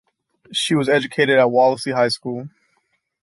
She was educated at Wallasey High School.